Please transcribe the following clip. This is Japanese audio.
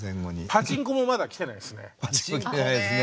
「パチンコ」もまだきてないですね。